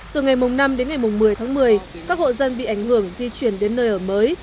từ ngày năm đến ngày một mươi tháng một mươi các hộ dân bị ảnh hưởng di chuyển đến nơi ở mới